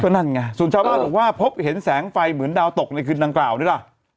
นั่นไงส่วนชาวบ้านบอกว่าพบเห็นแสงไฟเหมือนดาวตกในคืนดังกล่าวด้วยล่ะ